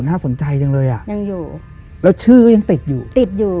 น่าสนใจจังเลยอ่ะยังอยู่แล้วชื่อก็ยังติดอยู่ติดอยู่